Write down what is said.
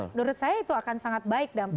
menurut saya itu akan sangat baik dampaknya